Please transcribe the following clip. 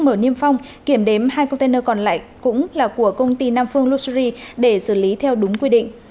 mở niêm phong kiểm đếm hai container còn lại cũng là của công ty nam phương luxury để xử lý theo đúng quy định